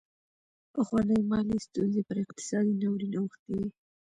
پخوانۍ مالي ستونزې پر اقتصادي ناورین اوښتې وې.